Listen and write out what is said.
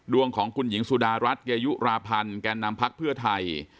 ดวงของคุณหญิงสุดารัฐเกยุราพันธ์แก่นำพักเพื่อไทย